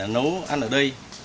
nấu ăn ở đây